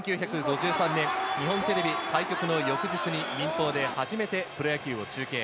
１９５３年、日本テレビ開局の翌日に民放で初めてプロ野球を中継。